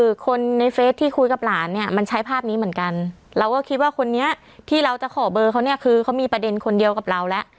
คือคนในเฟสที่คุยกับหลานเนี่ยมันใช้ภาพนี้เหมือนกันเราก็คิดว่าคนนี้ที่เราจะขอเบอร์เขาเนี่ยคือเขามีประเด็นคนเดียวกับเราแล้ว